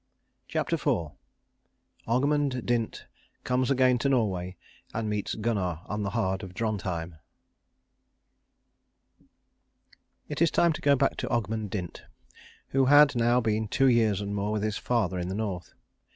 CHAPTER IV OGMUND DINT COMES AGAIN TO NORWAY, AND MEETS GUNNAR ON THE HARD OF DRONTHEIM It is time to go back to Ogmund Dint, who had now been two years and more with his father in the North.